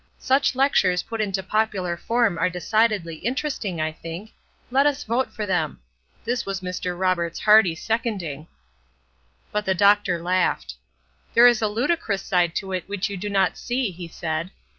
Such lectures put into popular form are decidedly interesting, I think. Let us vote for them." This was Mr. Roberts' hearty seconding. But the doctor laughed. "There is a ludicrous side to it which you do not see," he said.